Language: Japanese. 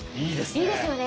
いいですね。